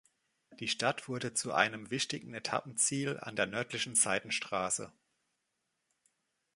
Die Stadt wurde zu einem wichtigen Etappenziel an der nördlichen Seidenstraße.